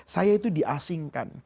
saya itu diasingkan